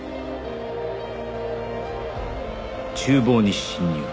厨房に侵入